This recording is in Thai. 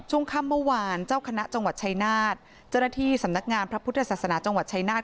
ช่วงค่ำเมื่อวานเจ้าคณะจังหวัดชายนาฏเจ้าหน้าที่สำนักงานพระพุทธศาสนาจังหวัดชายนาฏ